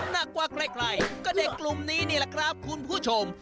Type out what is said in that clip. หนักกว่าใครก็เด็กกลุ่มนี้นี่แหละครับคุณผู้ชม